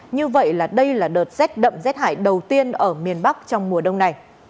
như vậy là đây là đợt rét đậm rét hại đầu tiên ở miền bắc trong mùa đông này